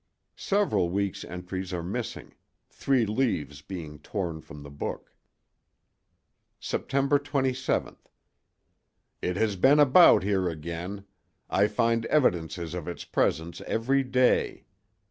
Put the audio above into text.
... Several weeks' entries are missing, three leaves being torn from the book. "Sept. 27.—It has been about here again—I find evidences of its presence every day.